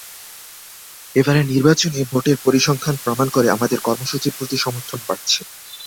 এবারের নির্বাচনে ভোটের পরিসংখ্যান প্রমাণ করে, আমাদের কর্মসূচির প্রতি সমর্থন বাড়ছে।